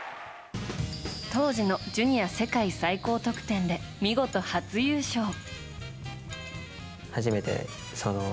当時のジュニア世界最高得点で見事、初優勝。